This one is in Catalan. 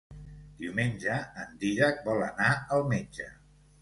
Diumenge en Dídac vol anar al metge.